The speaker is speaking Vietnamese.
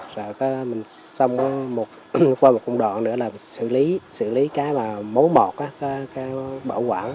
rồi mình xong qua một công đoạn nữa là xử lý cái mà mối một cái bảo quản